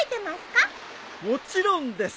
もちろんです。